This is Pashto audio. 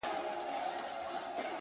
• ملا وویل تعویذ درته لیکمه ,